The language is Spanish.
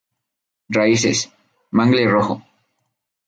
Raíces: mangle rojo.